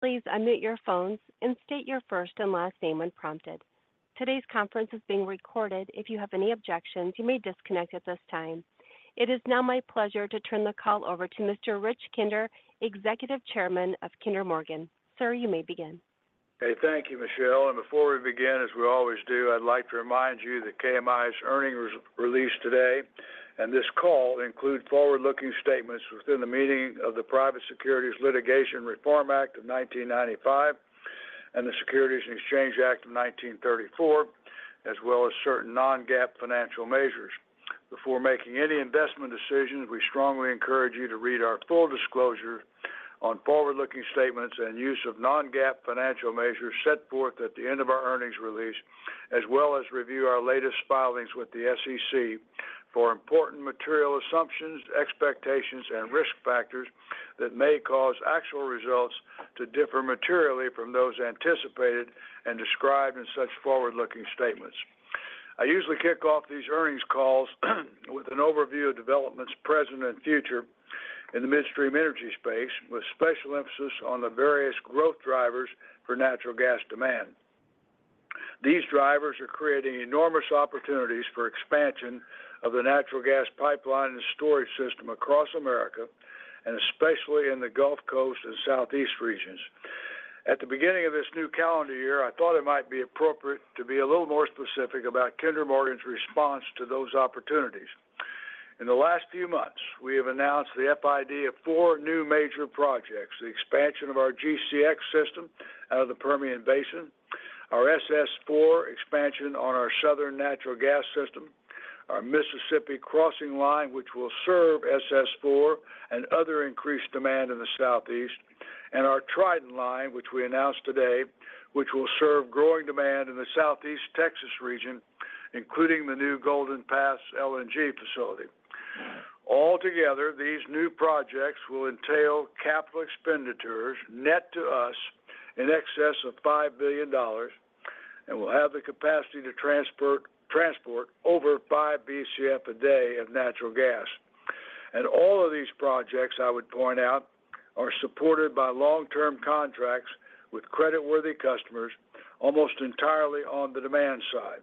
Please unmute your phones and state your first and last name when prompted. Today's conference is being recorded. If you have any objections, you may disconnect at this time. It is now my pleasure to turn the call over to Mr. Rich Kinder, Executive Chairman of Kinder Morgan. Sir, you may begin. Okay. Thank you, Michelle. And before we begin, as we always do, I'd like to remind you that KMI's earnings release today, and this call includes forward-looking statements within the meaning of the Private Securities Litigation Reform Act of 1995 and the Securities and Exchange Act of 1934, as well as certain non-GAAP financial measures. Before making any investment decisions, we strongly encourage you to read our full disclosure on forward-looking statements and use of non-GAAP financial measures set forth at the end of our earnings release, as well as review our latest filings with the SEC for important material assumptions, expectations, and risk factors that may cause actual results to differ materially from those anticipated and described in such forward-looking statements. I usually kick off these earnings calls with an overview of developments present and future in the midstream energy space, with special emphasis on the various growth drivers for natural gas demand. These drivers are creating enormous opportunities for expansion of the natural gas pipeline and storage system across America, and especially in the Gulf Coast and Southeast regions. At the beginning of this new calendar year, I thought it might be appropriate to be a little more specific about Kinder Morgan's response to those opportunities. In the last few months, we have announced the FID of four new major projects: the expansion of our GCX system out of the Permian Basin, our SS4 expansion on our Southern Natural Gas System, our Mississippi Crossing Line, which will serve SS4 and other increased demand in the Southeast, and our Trident Line, which we announced today, which will serve growing demand in the Southeast Texas region, including the new Golden Pass LNG facility. Altogether, these new projects will entail capital expenditures net to us in excess of $5 billion and will have the capacity to transport over 5 BCF a day of natural gas, and all of these projects, I would point out, are supported by long-term contracts with creditworthy customers, almost entirely on the demand side.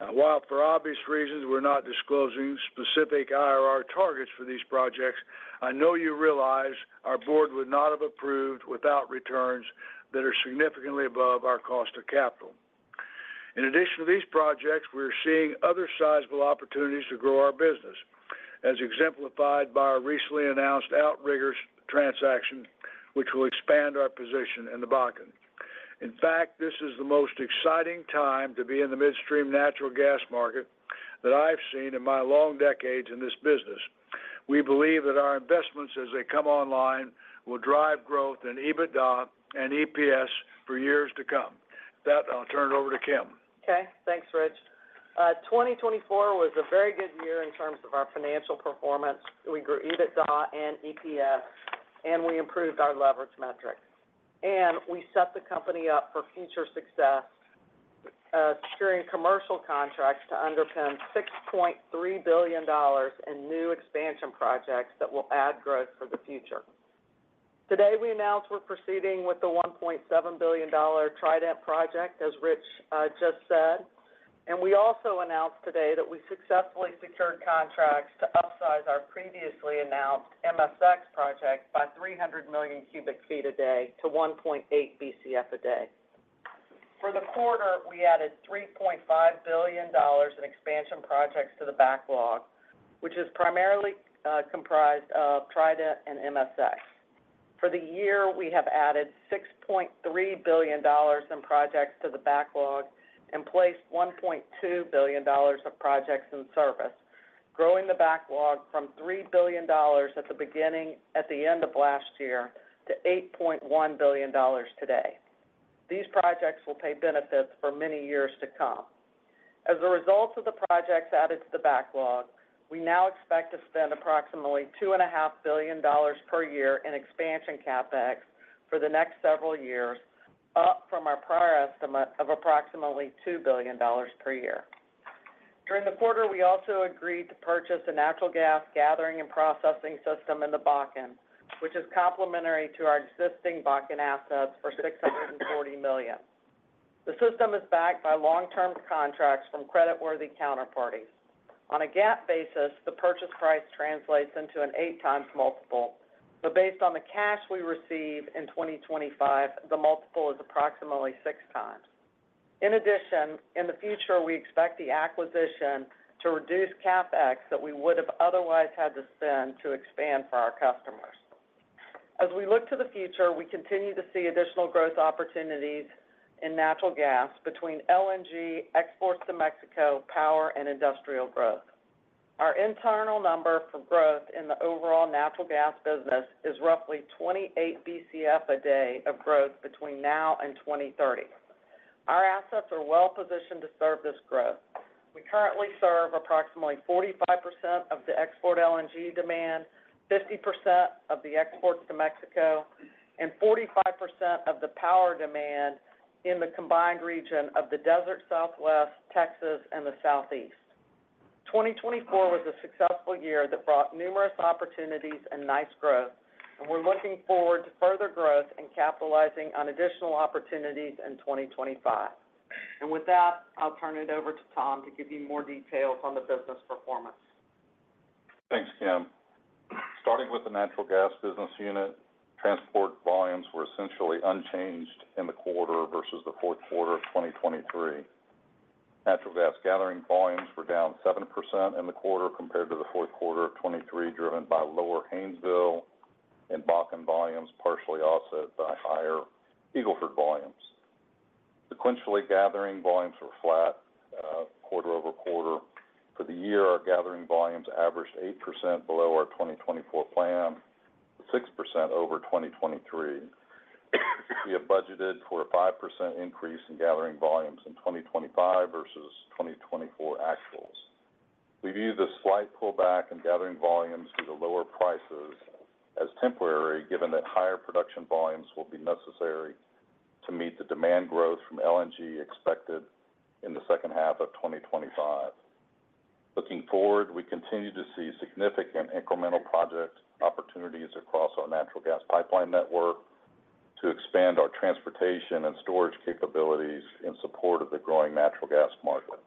Now, while for obvious reasons we're not disclosing specific IRR targets for these projects, I know you realize our board would not have approved without returns that are significantly above our cost of capital. In addition to these projects, we're seeing other sizable opportunities to grow our business, as exemplified by our recently announced Outrigger's transaction, which will expand our position in the Bakken. In fact, this is the most exciting time to be in the midstream natural gas market that I've seen in my long decades in this business. We believe that our investments, as they come online, will drive growth in EBITDA and EPS for years to come. With that, I'll turn it over to Kim. Okay. Thanks, Rich. 2024 was a very good year in terms of our financial performance. We grew EBITDA and EPS, and we improved our leverage metrics, and we set the company up for future success, securing commercial contracts to underpin $6.3 billion in new expansion projects that will add growth for the future. Today, we announced we're proceeding with the $1.7 billion Trident project, as Rich just said, and we also announced today that we successfully secured contracts to upsize our previously announced MSX project by 300 million cubic feet a day to 1.8 BCF a day. For the quarter, we added $3.5 billion in expansion projects to the backlog, which is primarily comprised of Trident and MSX. For the year, we have added $6.3 billion in projects to the backlog and placed $1.2 billion of projects in service, growing the backlog from $3 billion at the end of last year to $8.1 billion today. These projects will pay benefits for many years to come. As a result of the projects added to the backlog, we now expect to spend approximately $2.5 billion per year in expansion CapEx for the next several years, up from our prior estimate of approximately $2 billion per year. During the quarter, we also agreed to purchase a natural gas gathering and processing system in the Bakken, which is complementary to our existing Bakken assets for $640 million. The system is backed by long-term contracts from creditworthy counterparties. On a GAAP basis, the purchase price translates into an eight-times multiple, but based on the cash we receive in 2025, the multiple is approximately six times. In addition, in the future, we expect the acquisition to reduce CapEx that we would have otherwise had to spend to expand for our customers. As we look to the future, we continue to see additional growth opportunities in natural gas between LNG exports to Mexico, power, and industrial growth. Our internal number for growth in the overall natural gas business is roughly 28 BCF a day of growth between now and 2030. Our assets are well-positioned to serve this growth. We currently serve approximately 45% of the export LNG demand, 50% of the exports to Mexico, and 45% of the power demand in the combined region of the Desert Southwest, Texas, and the Southeast. 2024 was a successful year that brought numerous opportunities and nice growth, and we're looking forward to further growth and capitalizing on additional opportunities in 2025. And with that, I'll turn it over to Tom to give you more details on the business performance. Thanks, Kim. Starting with the natural gas business unit, transport volumes were essentially unchanged in the quarter versus the fourth quarter of 2023. Natural gas gathering volumes were down 7% in the quarter compared to the fourth quarter of 2023, driven by lower Haynesville and Bakken volumes, partially offset by higher Eagle Ford volumes. Sequentially, gathering volumes were flat quarter over quarter. For the year, our gathering volumes averaged 8% below our 2024 plan, 6% over 2023. We have budgeted for a 5% increase in gathering volumes in 2025 versus 2024 actuals. We view the slight pullback in gathering volumes due to lower prices as temporary, given that higher production volumes will be necessary to meet the demand growth from LNG expected in the second half of 2025. Looking forward, we continue to see significant incremental project opportunities across our natural gas pipeline network to expand our transportation and storage capabilities in support of the growing natural gas market.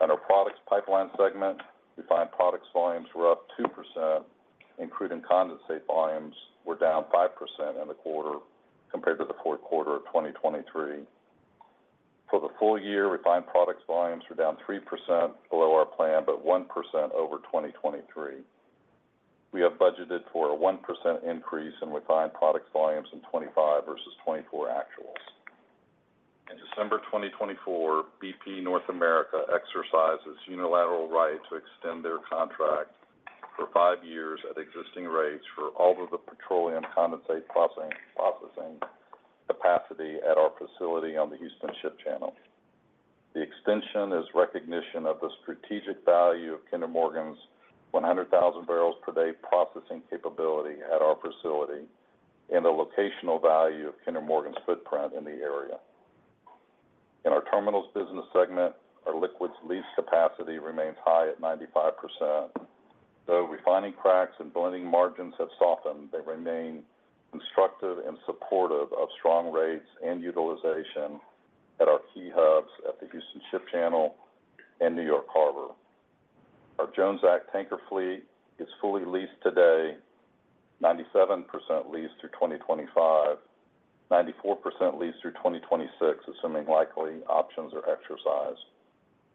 On our Products Pipeline segment, refined products volumes were up 2%, including condensate volumes were down 5% in the quarter compared to the fourth quarter of 2023. For the full year, refined products volumes were down 3% below our plan, but 1% over 2023. We have budgeted for a 1% increase in refined products volumes in 2025 versus 2024 actuals. In December 2024, BP North America exercises unilateral right to extend their contract for five years at existing rates for all of the petroleum condensate processing capacity at our facility on the Houston Ship Channel. The extension is recognition of the strategic value of Kinder Morgan's 100,000 barrels per day processing capability at our facility and the locational value of Kinder Morgan's footprint in the area. In our terminals business segment, our liquids lease capacity remains high at 95%. Though refining cracks and blending margins have softened, they remain constructive and supportive of strong rates and utilization at our key hubs at the Houston Ship Channel and New York Harbor. Our Jones Act tanker fleet is fully leased today, 97% leased through 2025, 94% leased through 2026, assuming likely options are exercised.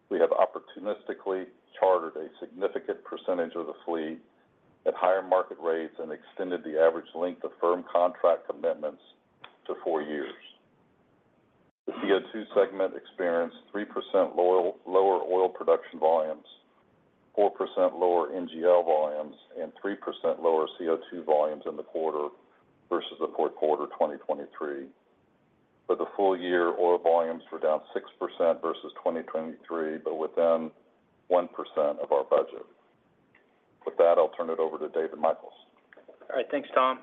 We have opportunistically chartered a significant percentage of the fleet at higher market rates and extended the average length of firm contract commitments to four years. The CO2 segment experienced 3% lower oil production volumes, 4% lower NGL volumes, and 3% lower CO2 volumes in the quarter versus the fourth quarter of 2023. For the full year, oil volumes were down 6% versus 2023, but within 1% of our budget. With that, I'll turn it over to David Michels. All right. Thanks, Tom.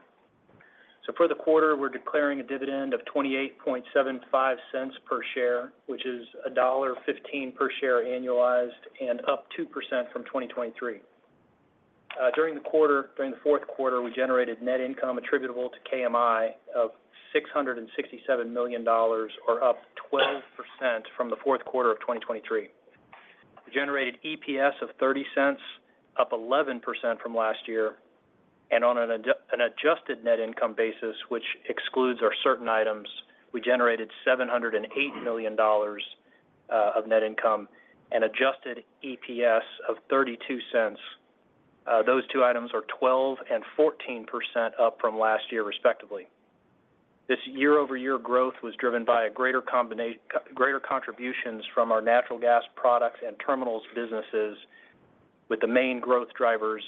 So for the quarter, we're declaring a dividend of $0.2875 per share, which is $1.15 per share annualized and up 2% from 2023. During the quarter, during the fourth quarter, we generated net income attributable to KMI of $667 million, or up 12% from the fourth quarter of 2023. We generated EPS of $0.30, up 11% from last year. And on an adjusted net income basis, which excludes our certain items, we generated $708 million of net income and adjusted EPS of $0.32. Those two items are 12% and 14% up from last year, respectively. This year-over-year growth was driven by greater contributions from our natural gas products and terminals businesses, with the main growth drivers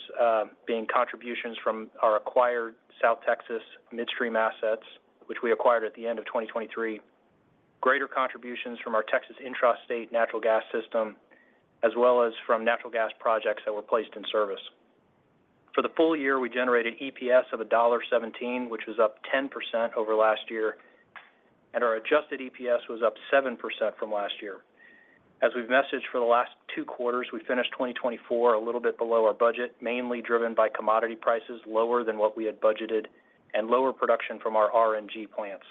being contributions from our acquired South Texas midstream assets, which we acquired at the end of 2023, greater contributions from our Texas Intrastate Natural Gas System, as well as from natural gas projects that were placed in service. For the full year, we generated EPS of $1.17, which was up 10% over last year, and our adjusted EPS was up 7% from last year. As we've messaged for the last two quarters, we finished 2024 a little bit below our budget, mainly driven by commodity prices lower than what we had budgeted and lower production from our RNG plants.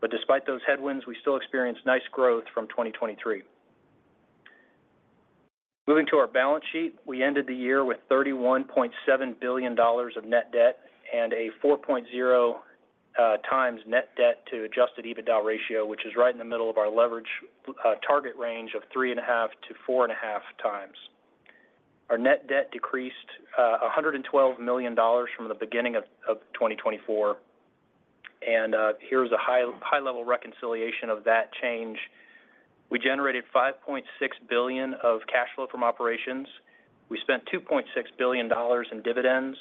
But despite those headwinds, we still experienced nice growth from 2023. Moving to our balance sheet, we ended the year with $31.7 billion of net debt and a 4.0 times net debt to adjusted EBITDA ratio, which is right in the middle of our leverage target range of 3.5-4.5 times. Our net debt decreased $112 million from the beginning of 2024, and here's a high-level reconciliation of that change. We generated $5.6 billion of cash flow from operations. We spent $2.6 billion in dividends.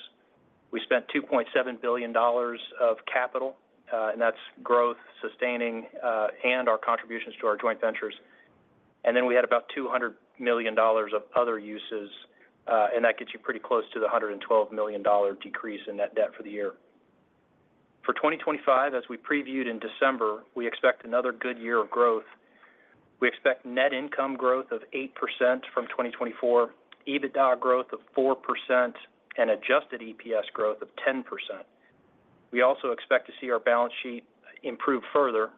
We spent $2.7 billion of capital, and that's growth sustaining and our contributions to our joint ventures, and then we had about $200 million of other uses, and that gets you pretty close to the $112 million decrease in net debt for the year. For 2025, as we previewed in December, we expect another good year of growth. We expect net income growth of 8% from 2024, EBITDA growth of 4%, and adjusted EPS growth of 10%. We also expect to see our balance sheet improve further,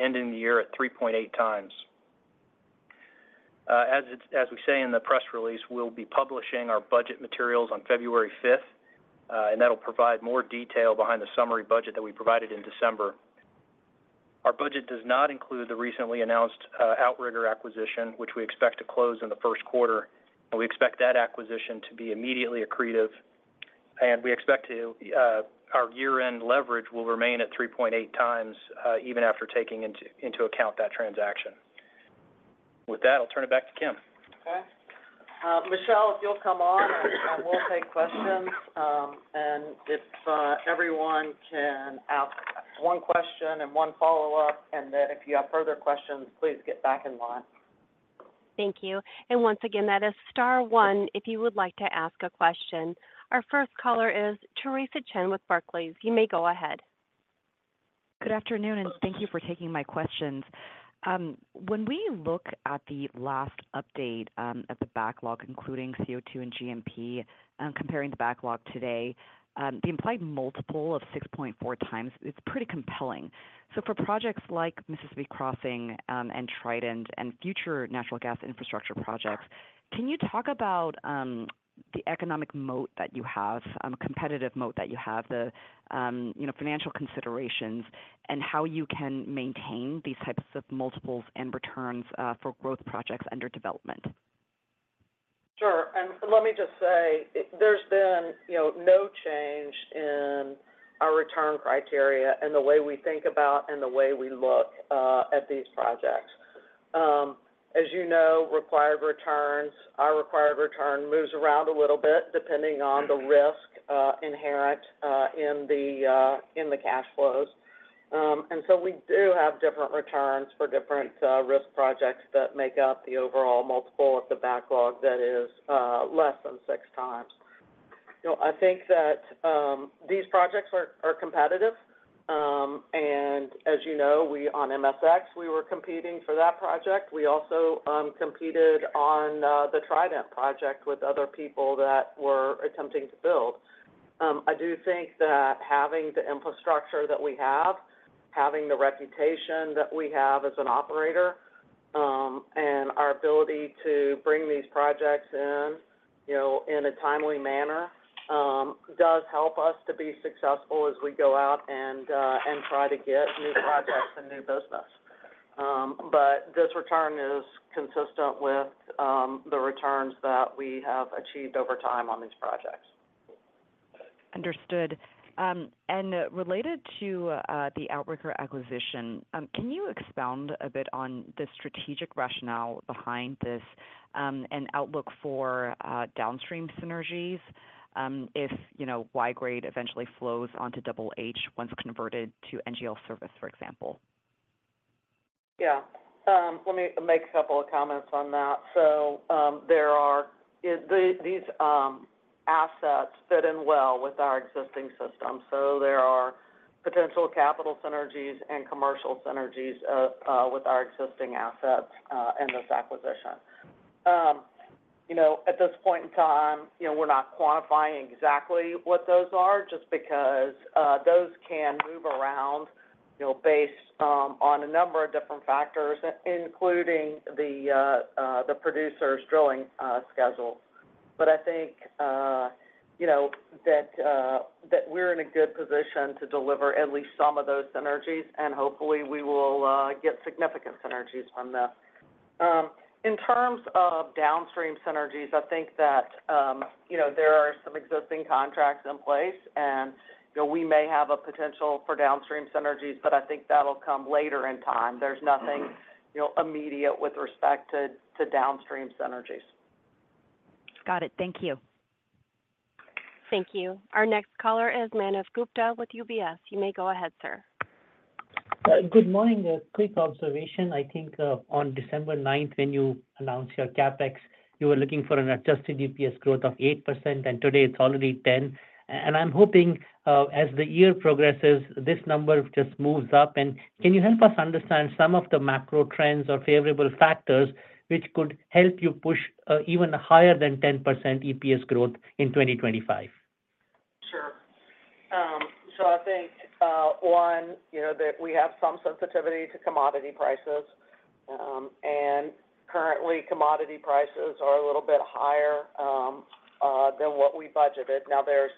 ending the year at 3.8 times. As we say in the press release, we'll be publishing our budget materials on February 5th, and that'll provide more detail behind the summary budget that we provided in December. Our budget does not include the recently announced Outrigger acquisition, which we expect to close in the first quarter. We expect that acquisition to be immediately accretive. And we expect our year-end leverage will remain at 3.8 times even after taking into account that transaction. With that, I'll turn it back to Kim. Okay. Michelle, if you'll come on and we'll take questions. And if everyone can ask one question and one follow-up, and then if you have further questions, please get back in line. Thank you. And once again, that is Star one if you would like to ask a question. Our first caller is Theresa Chen with Barclays. You may go ahead. Good afternoon, and thank you for taking my questions. When we look at the last update of the backlog, including CO2 and GMP, comparing the backlog today, the implied multiple of 6.4 times, it's pretty compelling. For projects like Mississippi Crossing and Trident and future natural gas infrastructure projects, can you talk about the economic moat that you have, competitive moat that you have, the financial considerations, and how you can maintain these types of multiples and returns for growth projects under development? Sure. And let me just say, there's been no change in our return criteria and the way we think about and the way we look at these projects. As you know, required returns, our required return moves around a little bit depending on the risk inherent in the cash flows. And so we do have different returns for different risk projects that make up the overall multiple of the backlog that is less than six times. I think that these projects are competitive. And as you know, we on MSX, we were competing for that project. We also competed on the Trident project with other people that were attempting to build. I do think that having the infrastructure that we have, having the reputation that we have as an operator, and our ability to bring these projects in, in a timely manner does help us to be successful as we go out and try to get new projects and new business. But this return is consistent with the returns that we have achieved over time on these projects. Understood. And related to the Outrigger acquisition, can you expound a bit on the strategic rationale behind this and outlook for downstream synergies if Y-grade eventually flows onto Double H once converted to NGL service, for example? Yeah. Let me make a couple of comments on that. So these assets fit in well with our existing system. So there are potential capital synergies and commercial synergies with our existing assets and this acquisition. At this point in time, we're not quantifying exactly what those are just because those can move around based on a number of different factors, including the producer's drilling schedule. But I think that we're in a good position to deliver at least some of those synergies, and hopefully, we will get significant synergies from this. In terms of downstream synergies, I think that there are some existing contracts in place, and we may have a potential for downstream synergies, but I think that'll come later in time. There's nothing immediate with respect to downstream synergies. Got it. Thank you. Thank you. Our next caller is Manav Gupta with UBS. You may go ahead, sir. Good morning. Quick observation. I think on December 9th, when you announced your CapEx, you were looking for an adjusted EPS growth of 8%, and today it's already 10%. And I'm hoping as the year progresses, this number just moves up. And can you help us understand some of the macro trends or favorable factors which could help you push even higher than 10% EPS growth in 2025? Sure. So I think, one, that we have some sensitivity to commodity prices. And currently, commodity prices are a little bit higher than what we budgeted. Now, there's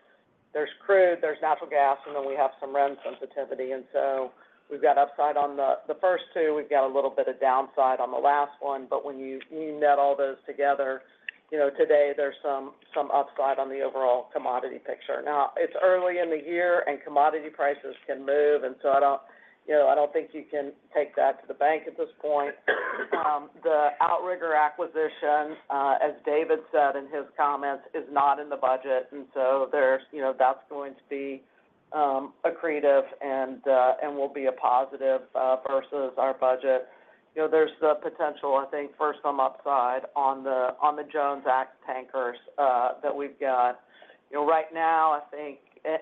crude, there's natural gas, and then we have some rent sensitivity. And so we've got upside on the first two. We've got a little bit of downside on the last one. But when you net all those together, today, there's some upside on the overall commodity picture. Now, it's early in the year, and commodity prices can move. And so I don't think you can take that to the bank at this point. The Outrigger acquisition, as David said in his comments, is not in the budget. And so that's going to be accretive and will be a positive versus our budget. There's the potential, I think, for some upside on the Jones Act tankers that we've got. Right now, I think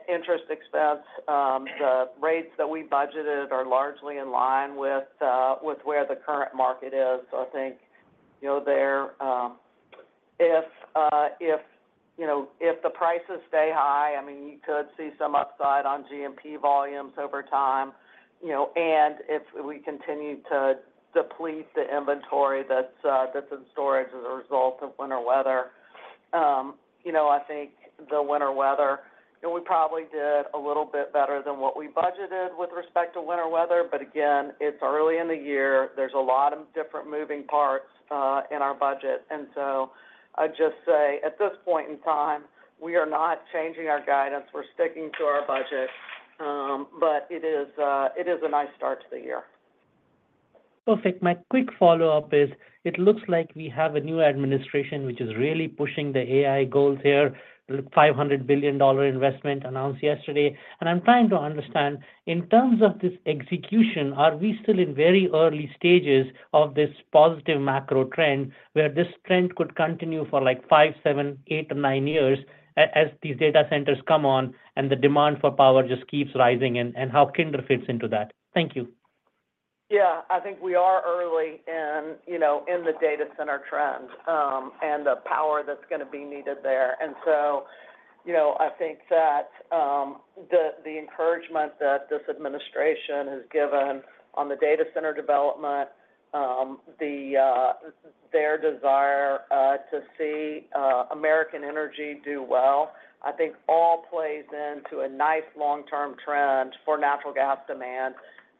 interest expense, the rates that we budgeted are largely in line with where the current market is. So I think if the prices stay high, I mean, you could see some upside on GMP volumes over time, and if we continue to deplete the inventory that's in storage as a result of winter weather, I think the winter weather, we probably did a little bit better than what we budgeted with respect to winter weather. But again, it's early in the year. There's a lot of different moving parts in our budget, and so I'd just say, at this point in time, we are not changing our guidance. We're sticking to our budget, but it is a nice start to the year. Perfect. My quick follow-up is, it looks like we have a new administration which is really pushing the AI goals here, $500 billion investment announced yesterday, and I'm trying to understand, in terms of this execution, are we still in very early stages of this positive macro trend where this trend could continue for like five, seven, eight, or nine years as these data centers come on and the demand for power just keeps rising and how Kinder fits into that? Thank you. Yeah. I think we are early in the data center trend and the power that's going to be needed there, and so I think that the encouragement that this administration has given on the data center development, their desire to see American energy do well, I think all plays into a nice long-term trend for natural gas demand.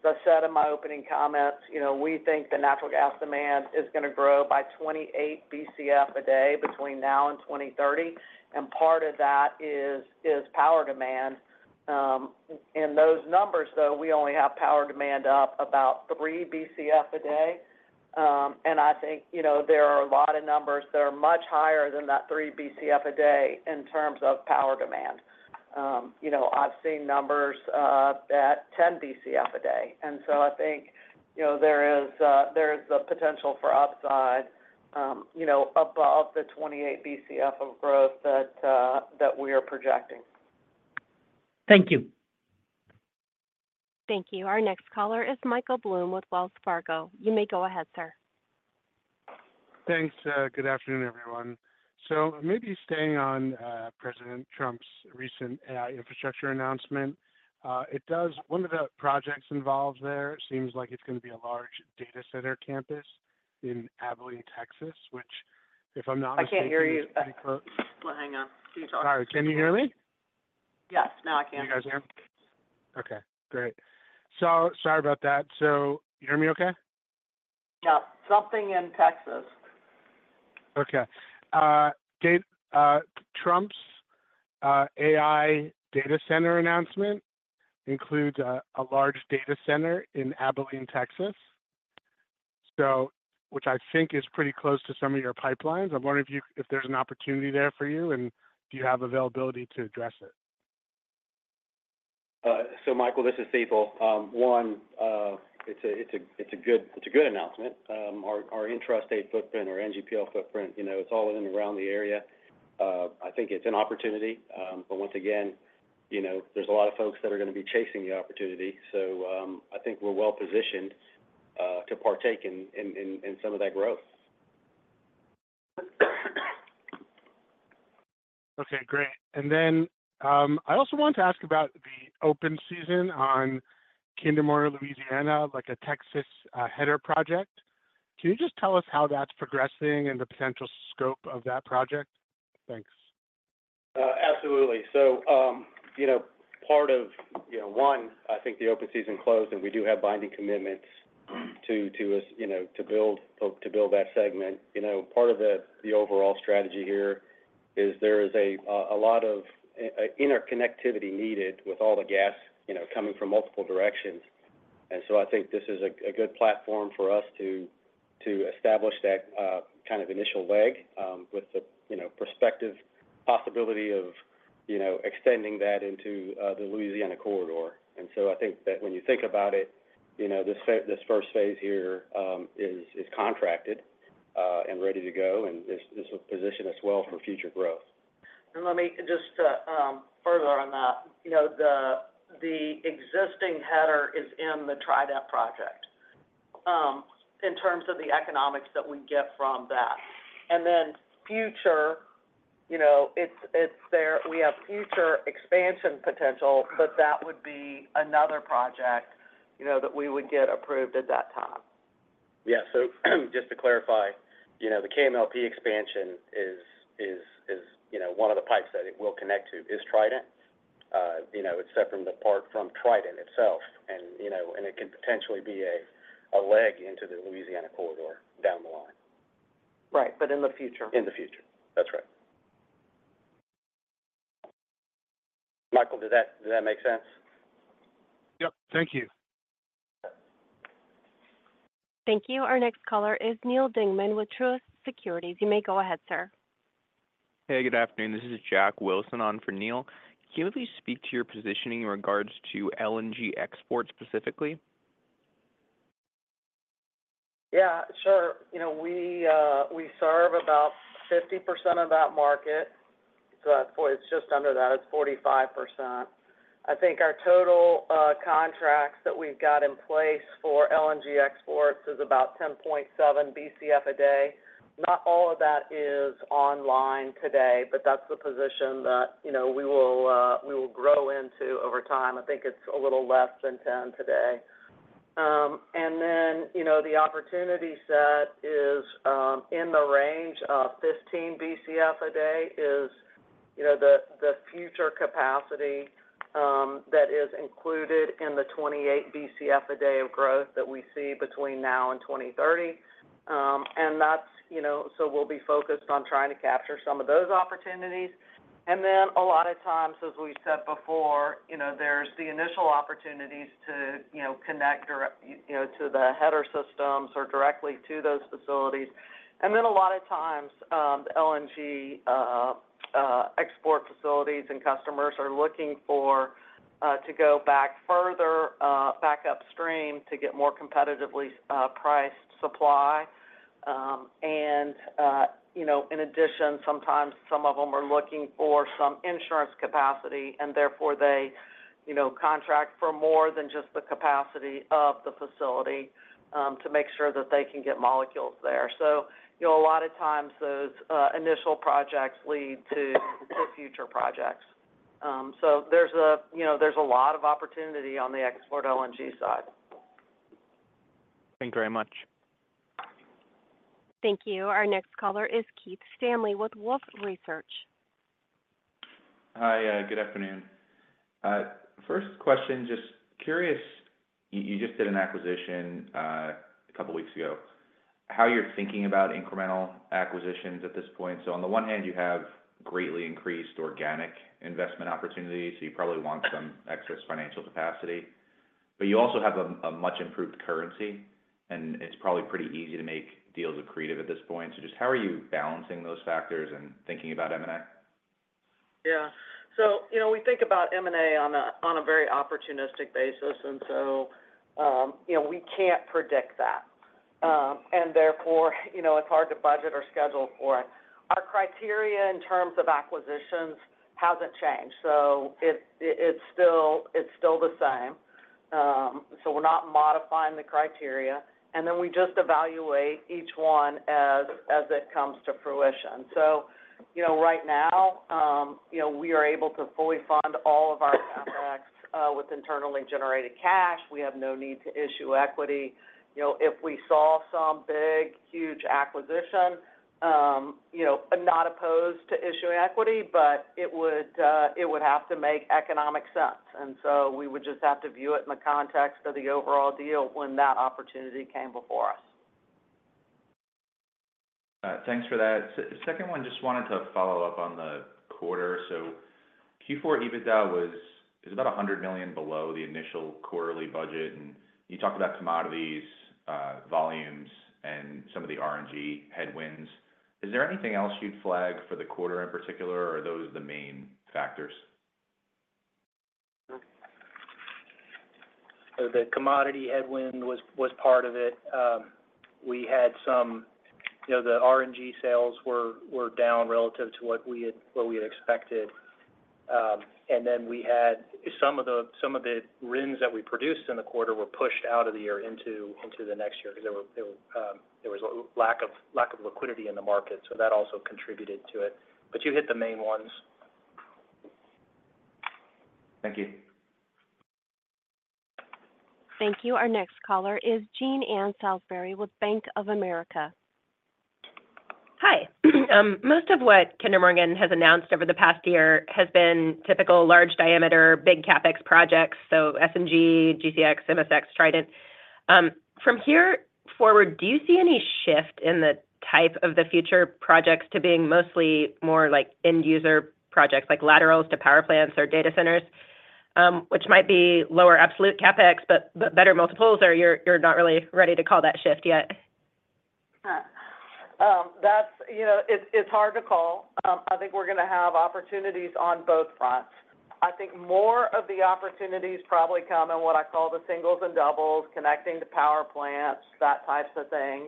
As I said in my opening comments, we think the natural gas demand is going to grow by 28 BCF a day between now and 2030, and part of that is power demand. In those numbers, though, we only have power demand up about 3 BCF a day, and I think there are a lot of numbers that are much higher than that 3 BCF a day in terms of power demand. I've seen numbers at 10 BCF a day. I think there is the potential for upside above the 28 BCF of growth that we are projecting. Thank you. Thank you. Our next caller is Michael Blum with Wells Fargo. You may go ahead, sir. Thanks. Good afternoon, everyone. So maybe staying on President Trump's recent AI infrastructure announcement, one of the projects involved there seems like it's going to be a large data center campus in Abilene, Texas, which, if I'm not mistaken. I can't hear you. Well, hang on. Can you talk? Sorry. Can you hear me? Yes. Now I can. You guys hear me? Okay. Great. So sorry about that. So you hear me okay? Yeah. Something in Texas. Okay. Trump's AI data center announcement includes a large data center in Abilene, Texas, which I think is pretty close to some of your pipelines. I'm wondering if there's an opportunity there for you and do you have availability to address it? So, Michael, this is Staple. One, it's a good announcement. Our infrastructure footprint, our NGPL footprint, it's all in and around the area. I think it's an opportunity. But once again, there's a lot of folks that are going to be chasing the opportunity. So I think we're well positioned to partake in some of that growth. Okay. Great. And then I also wanted to ask about the open season on Kinder Morgan Louisiana, like a Texas header project. Can you just tell us how that's progressing and the potential scope of that project? Thanks. Absolutely. So part of one, I think the open season closed, and we do have binding commitments to build that segment. Part of the overall strategy here is there is a lot of interconnectivity needed with all the gas coming from multiple directions. And so I think this is a good platform for us to establish that kind of initial leg with the prospective possibility of extending that into the Louisiana corridor. And so I think that when you think about it, this first phase here is contracted and ready to go, and this will position us well for future growth. And let me just further on that. The existing header is in the Trident project in terms of the economics that we get from that. And then future, it's there. We have future expansion potential, but that would be another project that we would get approved at that time. Yeah. So just to clarify, the KMLP expansion is one of the pipes that it will connect to is Trident. It's separate from Trident itself. And it can potentially be a leg into the Louisiana corridor down the line. Right. But in the future. In the future. That's right. Michael, does that make sense? Yep. Thank you. Thank you. Our next caller is Neil Dingman with Truist Securities. You may go ahead, sir. Hey, good afternoon. This is Jack Wilson on for Neil. Can you at least speak to your positioning in regards to LNG exports specifically? Yeah. Sure. We serve about 50% of that market. So it's just under that. It's 45%. I think our total contracts that we've got in place for LNG exports is about 10.7 BCF a day. Not all of that is online today, but that's the position that we will grow into over time. I think it's a little less than 10 today. And then the opportunity set is in the range of 15 BCF a day is the future capacity that is included in the 28 BCF a day of growth that we see between now and 2030. And so we'll be focused on trying to capture some of those opportunities. And then a lot of times, as we said before, there's the initial opportunities to connect to the header systems or directly to those facilities. And then a lot of times, the LNG export facilities and customers are looking to go back further back upstream to get more competitively priced supply. And in addition, sometimes some of them are looking for some insurance capacity, and therefore they contract for more than just the capacity of the facility to make sure that they can get molecules there. So a lot of times, those initial projects lead to future projects. So there's a lot of opportunity on the export LNG side. Thank you very much. Thank you. Our next caller is Keith Stanley with Wolfe Research. Hi. Good afternoon. First question, just curious. You just did an acquisition a couple of weeks ago. How are you thinking about incremental acquisitions at this point? So on the one hand, you have greatly increased organic investment opportunities. So you probably want some excess financial capacity. But you also have a much improved currency, and it's probably pretty easy to make accretive deals at this point. So just how are you balancing those factors and thinking about M&A? Yeah. So we think about M&A on a very opportunistic basis. And so we can't predict that. And therefore, it's hard to budget or schedule for it. Our criteria in terms of acquisitions hasn't changed. So it's still the same. So we're not modifying the criteria. And then we just evaluate each one as it comes to fruition. So right now, we are able to fully fund all of our CapEx with internally generated cash. We have no need to issue equity. If we saw some big, huge acquisition, I'm not opposed to issuing equity, but it would have to make economic sense. And so we would just have to view it in the context of the overall deal when that opportunity came before us. Thanks for that. Second one, just wanted to follow up on the quarter. So Q4 EBITDA was about $100 million below the initial quarterly budget. And you talked about commodities, volumes, and some of the RNG headwinds. Is there anything else you'd flag for the quarter in particular, or are those the main factors? So the commodity headwind was part of it. We had some, the RNG sales were down relative to what we had expected. And then we had some of the RINs that we produced in the quarter were pushed out of the year into the next year because there was a lack of liquidity in the market. So that also contributed to it. But you hit the main ones. Thank you. Thank you. Our next caller is Jean Ann Salisbury with Bank of America. Hi. Most of what Kinder Morgan has announced over the past year has been typical large diameter, big CapEx projects. So SNG, GCX, MSX, Trident. From here forward, do you see any shift in the type of the future projects to being mostly more like end-user projects, like laterals to power plants or data centers, which might be lower absolute CapEx, but better multiples? Or you're not really ready to call that shift yet? It's hard to call. I think we're going to have opportunities on both fronts. I think more of the opportunities probably come in what I call the singles and doubles, connecting to power plants, that type of thing,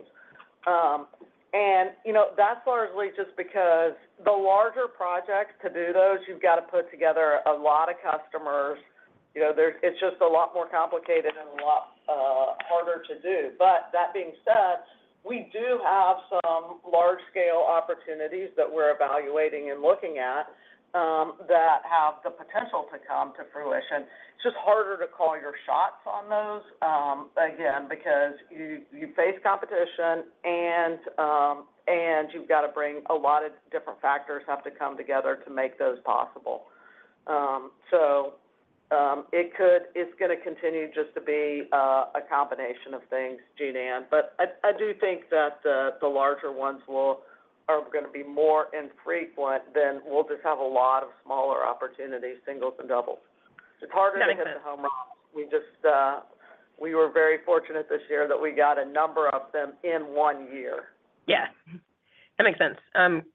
and that's largely just because the larger projects, to do those, you've got to put together a lot of customers. It's just a lot more complicated and a lot harder to do, but that being said, we do have some large-scale opportunities that we're evaluating and looking at that have the potential to come to fruition. It's just harder to call your shots on those, again, because you face competition and you've got to bring a lot of different factors have to come together to make those possible, so it's going to continue just to be a combination of things, Jean Ann. But I do think that the larger ones are going to be more infrequent than we'll just have a lot of smaller opportunities, singles and doubles. It's harder to hit the home run. We were very fortunate this year that we got a number of them in one year. Yes. That makes sense.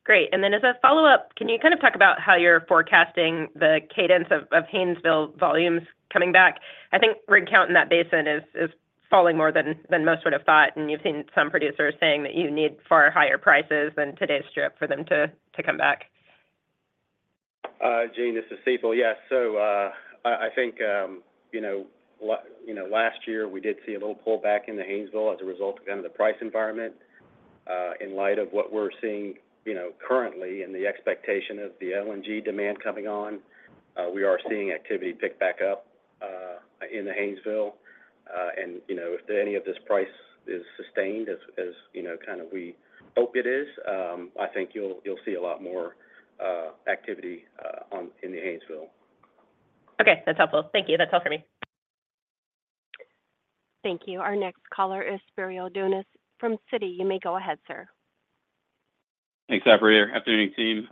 Great. And then as a follow-up, can you kind of talk about how you're forecasting the cadence of Haynesville volumes coming back? I think rig count in that basin is falling more than most would have thought. And you've seen some producers saying that you need far higher prices than today's strip for them to come back. Jean, this is Staple. Yes. So I think last year, we did see a little pullback in the Haynesville as a result of kind of the price environment. In light of what we're seeing currently and the expectation of the LNG demand coming on, we are seeing activity pick back up in the Haynesville. And if any of this price is sustained, as kind of we hope it is, I think you'll see a lot more activity in the Haynesville. Okay. That's helpful. Thank you. That's all for me. Thank you. Our next caller is Spiro Dounis from Citi. You may go ahead, sir. Thanks, Avery. Afternoon, team.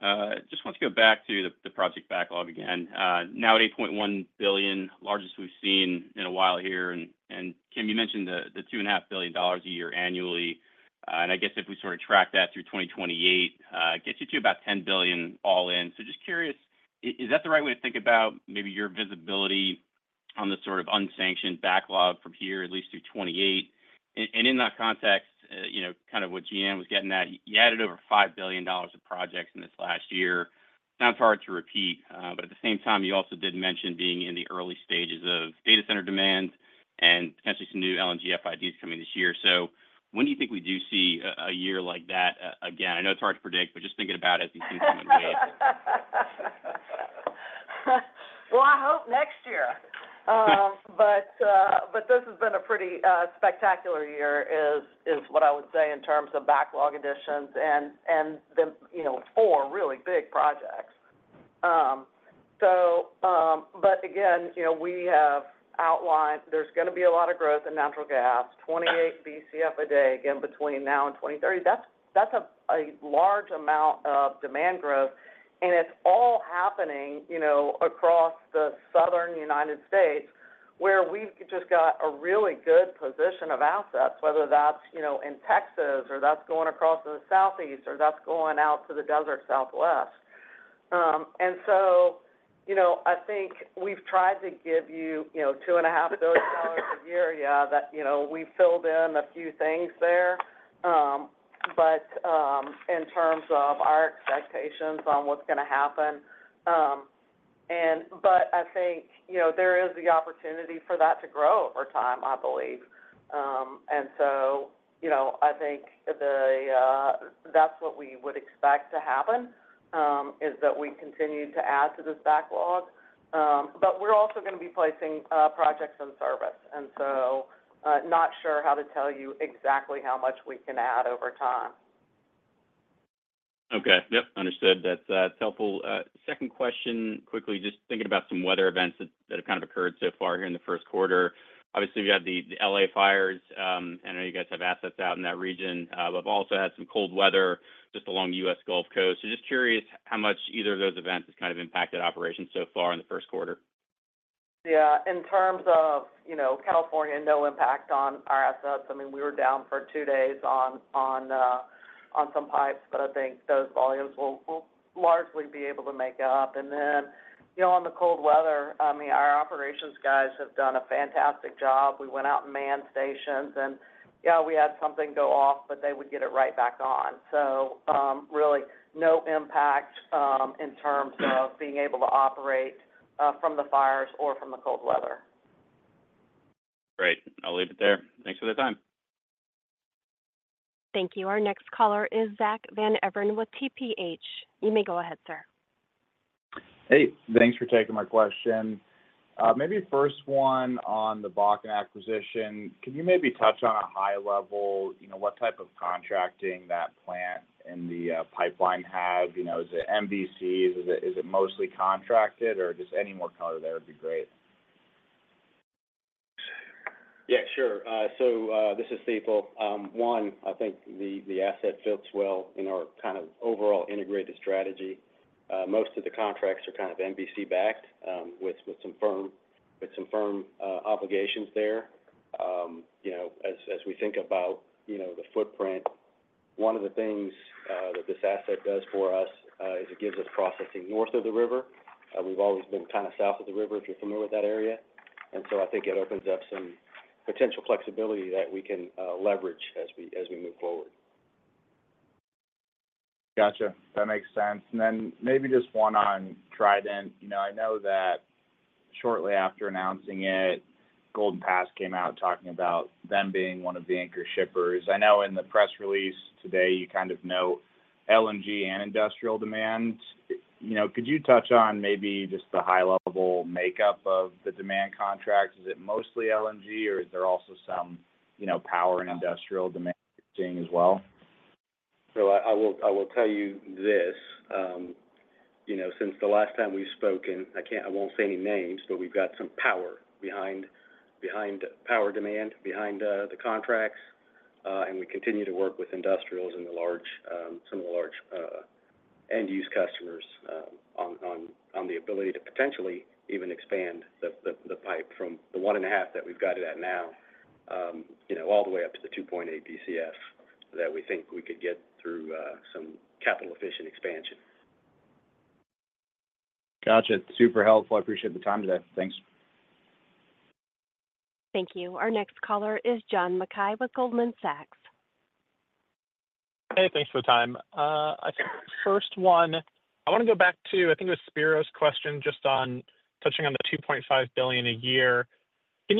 Just want to go back to the project backlog again. Now at $8.1 billion, largest we've seen in a while here. And Kim, you mentioned the $2.5 billion a year annually. And I guess if we sort of track that through 2028, it gets you to about $10 billion all in. So just curious, is that the right way to think about maybe your visibility on the sort of unsanctioned backlog from here, at least through 2028? And in that context, kind of what Jean Ann was getting at, you added over $5 billion of projects in this last year. Sounds hard to repeat. But at the same time, you also did mention being in the early stages of data center demand and potentially some new LNG FIDs coming this year. So when do you think we do see a year like that again? I know it's hard to predict, but just thinking about it as these things come into play. I hope next year. This has been a pretty spectacular year, is what I would say in terms of backlog additions and four really big projects. Again, we have outlined there's going to be a lot of growth in natural gas, 28 BCF a day again between now and 2030. That's a large amount of demand growth. It's all happening across the southern United States, where we've just got a really good position of assets, whether that's in Texas or that's going across the Southeast or that's going out to the Desert Southwest. So I think we've tried to give you $2.5 billion a year. Yeah, we filled in a few things there. In terms of our expectations on what's going to happen, but I think there is the opportunity for that to grow over time, I believe. And so I think that's what we would expect to happen, is that we continue to add to this backlog. But we're also going to be placing projects in service. And so not sure how to tell you exactly how much we can add over time. Okay. Yep. Understood. That's helpful. Second question, quickly, just thinking about some weather events that have kind of occurred so far here in the first quarter. Obviously, we had the LA fires, and I know you guys have assets out in that region. We've also had some cold weather just along the U.S. Gulf Coast, so just curious how much either of those events has kind of impacted operations so far in the first quarter. Yeah. In terms of California, no impact on our assets. I mean, we were down for two days on some pipes, but I think those volumes will largely be able to make up. And then on the cold weather, I mean, our operations guys have done a fantastic job. We went out and manned stations. And yeah, we had something go off, but they would get it right back on. So really no impact in terms of being able to operate from the fires or from the cold weather. Great. I'll leave it there. Thanks for the time. Thank you. Our next caller is Zach Van Everen with TPH. You may go ahead, sir. Hey. Thanks for taking my question. Maybe first one on the Bakken acquisition. Can you maybe touch on a high level what type of contracting that plant and the pipeline have? Is it MVCs? Is it mostly contracted? Or just any more color there would be great. Yeah. Sure. So this is Staple. One, I think the asset fits well in our kind of overall integrated strategy. Most of the contracts are kind of MVC-backed with some firm obligations there. As we think about the footprint, one of the things that this asset does for us is it gives us processing north of the river. We've always been kind of south of the river, if you're familiar with that area. And so I think it opens up some potential flexibility that we can leverage as we move forward. Gotcha. That makes sense. And then maybe just one on Trident. I know that shortly after announcing it, Golden Pass came out talking about them being one of the anchor shippers. I know in the press release today, you kind of note LNG and industrial demand. Could you touch on maybe just the high-level makeup of the demand contracts? Is it mostly LNG, or is there also some power and industrial demand as well? I will tell you this. Since the last time we've spoken, I won't say any names, but we've got some power behind power demand, behind the contracts. We continue to work with industrials and some of the large end-use customers on the ability to potentially even expand the pipe from the 1.5 that we've got it at now all the way up to the 2.8 BCF that we think we could get through some capital-efficient expansion. Gotcha. Super helpful. I appreciate the time today. Thanks. Thank you. Our next caller is John Mackay with Goldman Sachs. Hey. Thanks for the time. I think first one, I want to go back to, I think it was Spiro's question just on touching on the $2.5 billion a year. Can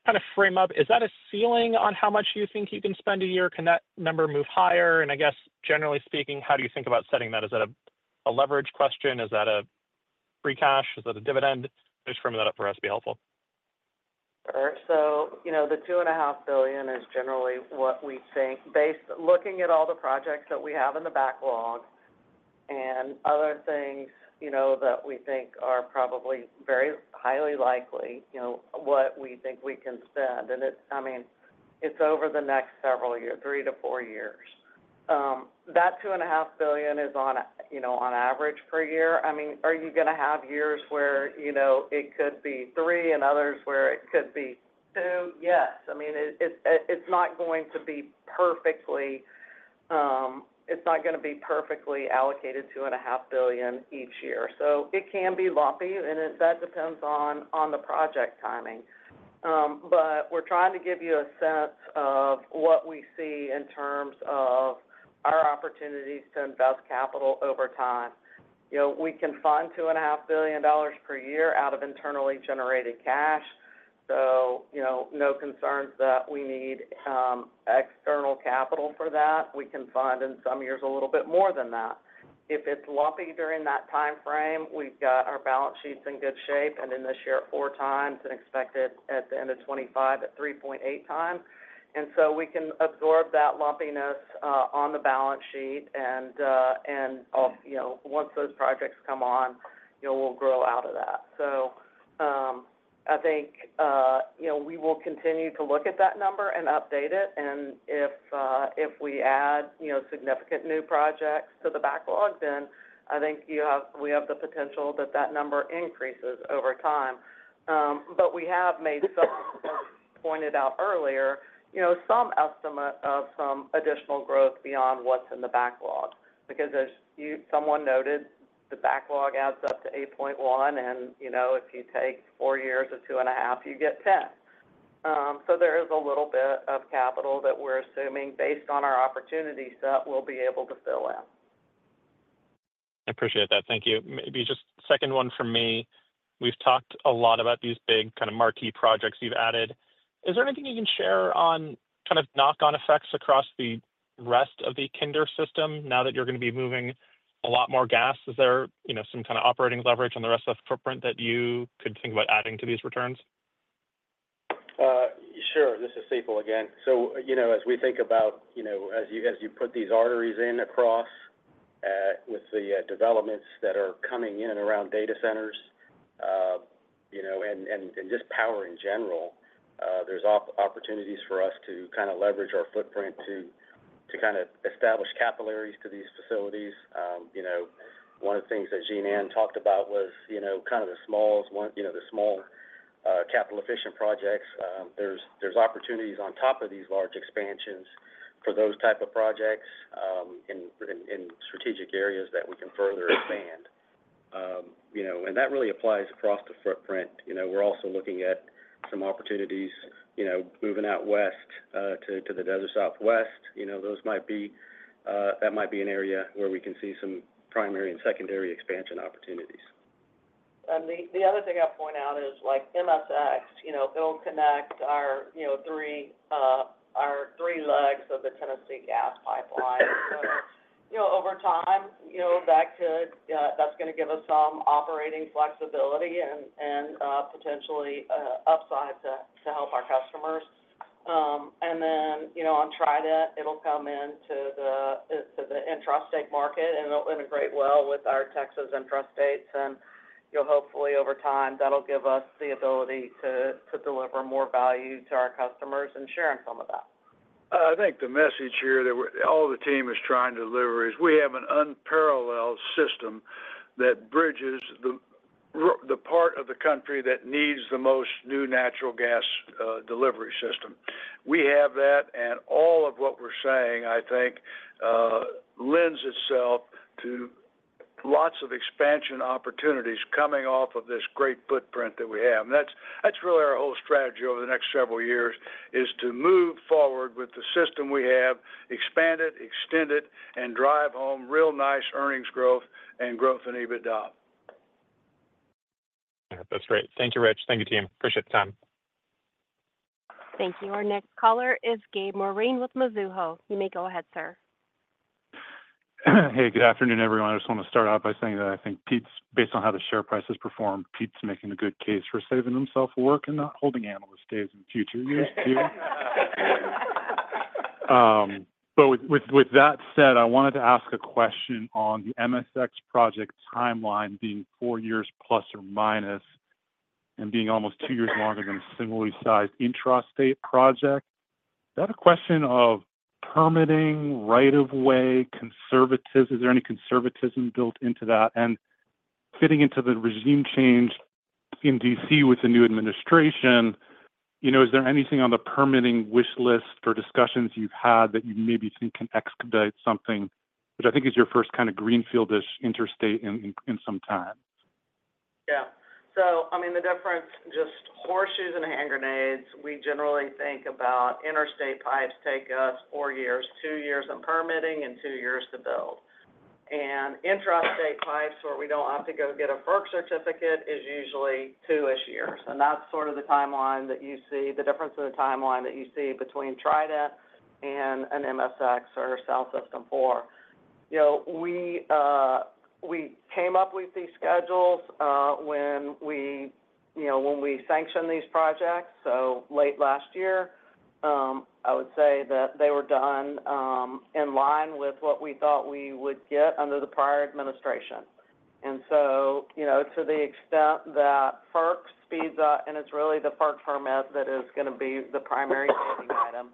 you kind of frame up, is that a ceiling on how much you think you can spend a year? Can that number move higher? And I guess, generally speaking, how do you think about setting that? Is that a leverage question? Is that a free cash? Is that a dividend? Just framing that up for us would be helpful. Sure, so the $2.5 billion is generally what we think, based on looking at all the projects that we have in the backlog and other things that we think are probably very highly likely, what we think we can spend, and I mean, it's over the next several years, three to four years. That $2.5 billion is on average per year. I mean, are you going to have years where it could be three and others where it could be two? Yes. I mean, it's not going to be perfectly allocated $2.5 billion each year, so it can be lumpy, and that depends on the project timing. But we're trying to give you a sense of what we see in terms of our opportunities to invest capital over time. We can fund $2.5 billion per year out of internally generated cash. So no concerns that we need external capital for that. We can fund in some years a little bit more than that. If it's lumpy during that time frame, we've got our balance sheets in good shape. And in this year, four times and expected at the end of 2025 at 3.8 times. And so we can absorb that lumpiness on the balance sheet. And once those projects come on, we'll grow out of that. So I think we will continue to look at that number and update it. And if we add significant new projects to the backlog, then I think we have the potential that that number increases over time. But we have made some, as pointed out earlier, some estimate of some additional growth beyond what's in the backlog. Because as someone noted, the backlog adds up to 8.1. If you take four years of 2.5, you get 10. So there is a little bit of capital that we're assuming based on our opportunities that we'll be able to fill in. I appreciate that. Thank you. Maybe just second one from me. We've talked a lot about these big kind of marquee projects you've added. Is there anything you can share on kind of knock-on effects across the rest of the Kinder system now that you're going to be moving a lot more gas? Is there some kind of operating leverage on the rest of the footprint that you could think about adding to these returns? Sure. This is Staple again. So as we think about, as you put these arteries in across with the developments that are coming in and around data centers and just power in general, there's opportunities for us to kind of leverage our footprint to kind of establish capillaries to these facilities. One of the things that Jean Ann talked about was kind of the small capital-efficient projects. There's opportunities on top of these large expansions for those type of projects in strategic areas that we can further expand. And that really applies across the footprint. We're also looking at some opportunities moving out west to the Desert Southwest. Those might be an area where we can see some primary and secondary expansion opportunities. And the other thing I'll point out is MSX, Mississippi Crossing, our three legs of the Tennessee Gas Pipeline. So over time, that's going to give us some operating flexibility and potentially upside to help our customers. And then on Trident, it'll come into the interstate market, and it'll integrate well with our Texas intrastate. And hopefully, over time, that'll give us the ability to deliver more value to our customers and share in some of that. I think the message here that all the team is trying to deliver is we have an unparalleled system that bridges the part of the country that needs the most new natural gas delivery system. We have that. And all of what we're saying, I think, lends itself to lots of expansion opportunities coming off of this great footprint that we have. And that's really our whole strategy over the next several years, is to move forward with the system we have, expand it, extend it, and drive home real nice earnings growth and growth in EBITDA. That's great. Thank you, Rich. Thank you, team. Appreciate the time. Thank you. Our next caller is Gabe Moreen with Mizuho. You may go ahead, sir. Hey, good afternoon, everyone. I just want to start out by saying that I think Pete's, based on how the share price has performed, Pete's making a good case for saving himself work and not holding analyst days in future years too. But with that said, I wanted to ask a question on the MSX project timeline being four years plus or minus and being almost two years longer than a similarly sized interstate project. Is that a question of permitting, right of way, conservatism? Is there any conservatism built into that? And fitting into the regime change in DC with the new administration, is there anything on the permitting wish list or discussions you've had that you maybe think can expedite something, which I think is your first kind of greenfield-ish interstate in some time? Yeah. So I mean, the difference, just horseshoes and hand grenades, we generally think about interstate pipes take us four years, two years in permitting and two years to build. And intrastate pipes where we don't have to go get a FERC certificate is usually two-ish years. And that's sort of the timeline that you see, the difference in the timeline that you see between Trident and an MSX or a South System 4. We came up with these schedules when we sanctioned these projects. So late last year, I would say that they were done in line with what we thought we would get under the prior administration. And so to the extent that FERC speeds up, and it's really the FERC permit that is going to be the primary permitting item,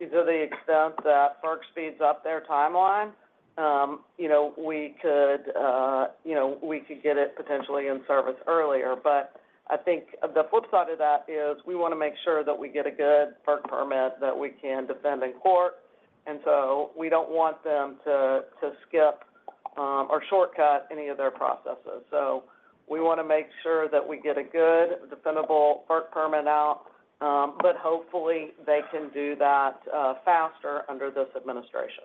to the extent that FERC speeds up their timeline, we could get it potentially in service earlier. But I think the flip side of that is we want to make sure that we get a good FERC permit that we can defend in court. And so we don't want them to skip or shortcut any of their processes. So we want to make sure that we get a good, defendable FERC permit out, but hopefully they can do that faster under this administration.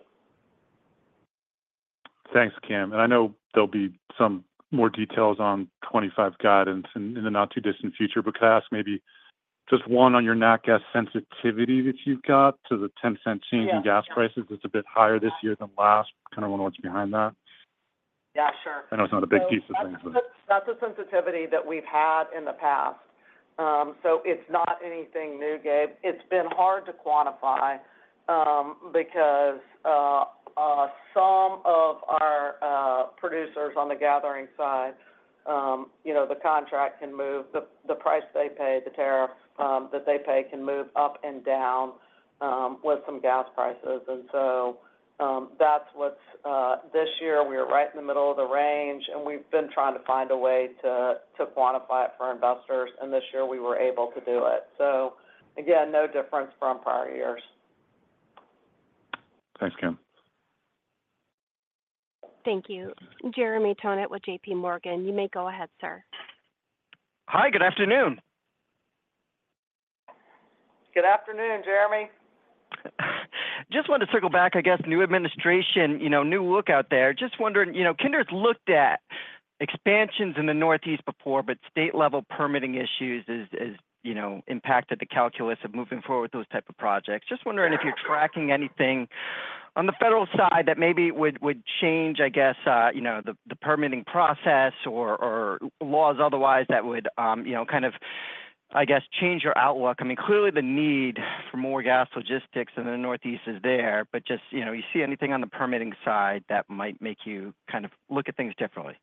Thanks, Kim. And I know there'll be some more details on 2025 guidance in the not too distant future. But could I ask maybe just one on your NGP gas sensitivity that you've got to the $0.10 change in gas prices? It's a bit higher this year than last. Kind of wonder what's behind that. Yeah, sure. I know it's not a big piece of things, but. That's a sensitivity that we've had in the past. So it's not anything new, Gabe. It's been hard to quantify because some of our producers on the gathering side, the contract can move. The price they pay, the tariff that they pay can move up and down with some gas prices. And so that's what's this year. We were right in the middle of the range, and we've been trying to find a way to quantify it for investors. And this year, we were able to do it. So again, no difference from prior years. Thanks, Kim. Thank you. Jeremy Tonet with JP Morgan. You may go ahead, sir. Hi. Good afternoon. Good afternoon, Jeremy. Just wanted to circle back, I guess, new administration, new look out there. Just wondering, Kinder's looked at expansions in the Northeast before, but state-level permitting issues have impacted the calculus of moving forward with those type of projects. Just wondering if you're tracking anything on the federal side that maybe would change, I guess, the permitting process or laws otherwise that would kind of, I guess, change your outlook. I mean, clearly the need for more gas logistics in the Northeast is there, but just you see anything on the permitting side that might make you kind of look at things differently?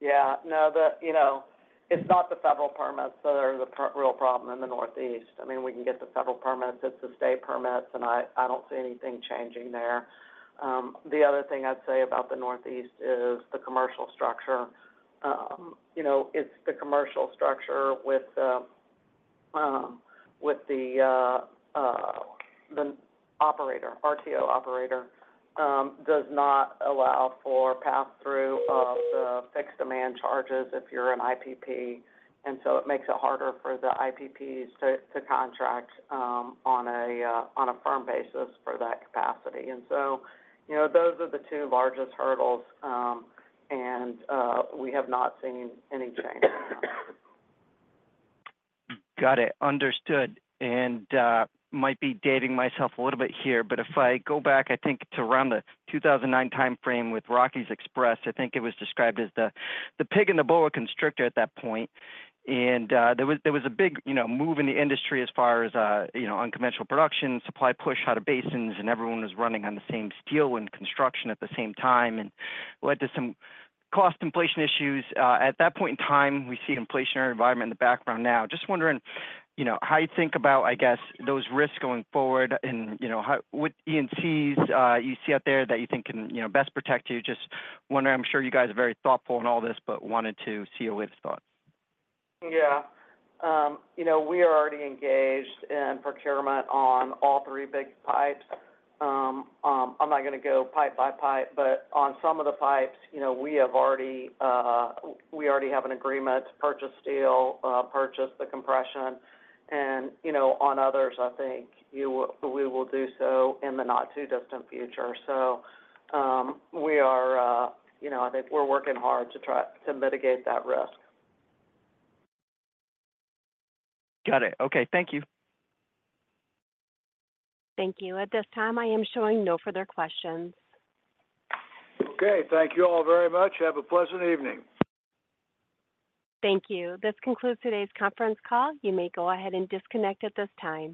Yeah. No, it's not the federal permits that are the real problem in the Northeast. I mean, we can get the federal permits. It's the state permits, and I don't see anything changing there. The other thing I'd say about the Northeast is the commercial structure. It's the commercial structure with the operator, RTO operator, does not allow for pass-through of the fixed demand charges if you're an IPP. And so it makes it harder for the IPPs to contract on a firm basis for that capacity. And so those are the two largest hurdles, and we have not seen any change. Got it. Understood. I might be dating myself a little bit here, but if I go back, I think to around the 2009 timeframe with Rockies Express, I think it was described as the pig in the python at that point. There was a big move in the industry as far as unconventional production, supply push out of basins, and everyone was running on the same steel and construction at the same time, and led to some cost inflation issues. At that point in time, we see an inflationary environment in the background now. Just wondering how you think about, I guess, those risks going forward and what E&Cs you see out there that you think can best protect you. Just wondering, I am sure you guys are very thoughtful in all this, but wanted to see your train of thought. Yeah. We are already engaged in procurement on all three big pipes. I'm not going to go pipe by pipe, but on some of the pipes, we already have an agreement to purchase steel, purchase the compression. And on others, I think we will do so in the not too distant future. So we are, I think we're working hard to mitigate that risk. Got it. Okay. Thank you. Thank you. At this time, I am showing no further questions. Okay. Thank you all very much. Have a pleasant evening. Thank you. This concludes today's conference call. You may go ahead and disconnect at this time.